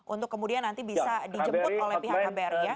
untuk kemudian nanti bisa dijemput oleh pihak kbri ya